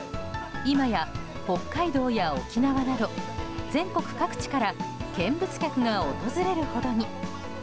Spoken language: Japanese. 今や北海道や沖縄など全国各地から見物客が訪れるほどに。